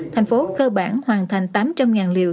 thành phố cơ bản hoàn thành tám trăm linh liều